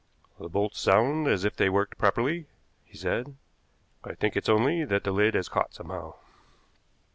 "The bolts sound as if they worked properly," he said. "I think it's only that the lid has caught somehow."